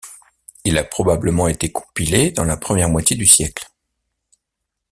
Il a probablement été compilé dans la première moitié du siècle.